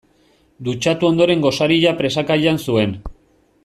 Dutxatu ondoren gosaria presaka jan zuen.